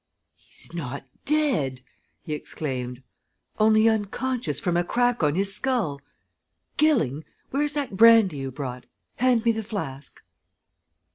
"He's not dead!" he exclaimed. "Only unconscious from a crack on his skull. Gilling! where's that brandy you brought? hand me the flask."